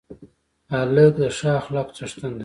هلک د ښه اخلاقو څښتن دی.